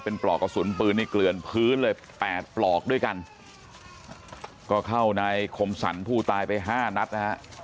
เป็นปลอกกระสุนปืนนี่เกลือนพื้นเลยแปดปลอกด้วยกันก็เข้าในคมสรรผู้ตายไปห้านัดนะฮะ